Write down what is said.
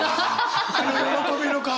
喜びの顔は？